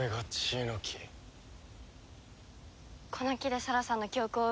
この樹で沙羅さんの記憶を奪ったの？